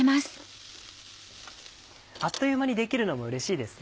あっという間にできるのもうれしいですね。